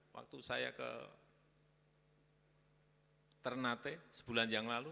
waktu saya ke ternate sebulan yang lalu